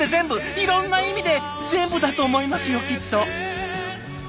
いろんな意味で全部だと思いますよきっと。